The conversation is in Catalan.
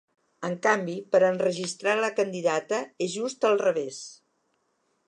En canvi, per enregistrar la candidata, és just el revés.